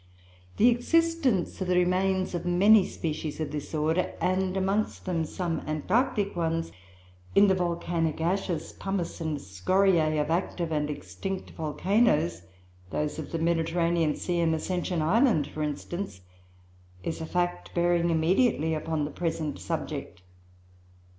"The existence of the remains of many species of this order (and amongst them some Antarctic ones) in the volcanic ashes, pumice, and scoriae of active and extinct volcanoes (those of the Mediterranean Sea and Ascension Island, for instance) is a fact bearing immediately upon the present subject.